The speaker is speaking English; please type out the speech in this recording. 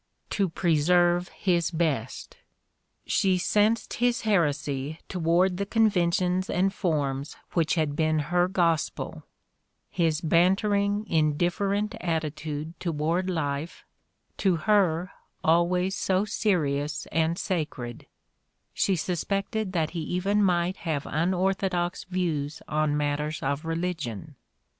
To preserve his best! "She sensed his heresy toward the conventions and forms which had The Candidate for Gentility 115 been her gospel; his bantering, indifferent attitude toward life — to her always so serious and sacred; she suspected that he even might have unorthodox views on matters of religion."